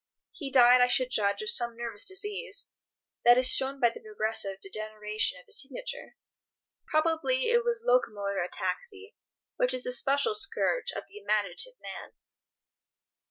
He died, I should judge, of some nervous disease; that is shown by the progressive degeneration of his signature. Probably it was locomotor ataxy, which is the special scourge of the imaginative man.